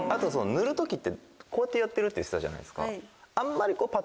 塗る時ってこうやってやってるって言ってたじゃないですか。